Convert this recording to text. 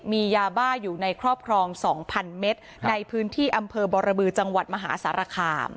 มียาบ้าอยู่ในครอบครอง๒๐๐เมตรในพื้นที่อำเภอบรบือจังหวัดมหาสารคาม